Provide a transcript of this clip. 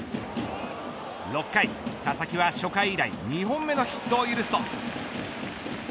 ６回、佐々木は初回以来２本目のヒットを許すと。